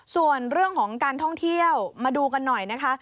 ส่วนเรื่องของการท่องเที่ยวมาดูกันหน่อยนะคะ